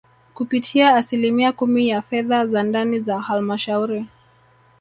kupitia asilimia kumi ya fedha za ndani za Halmashauri